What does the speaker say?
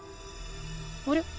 あれ？